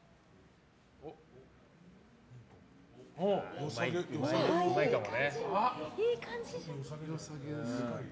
うまいかも。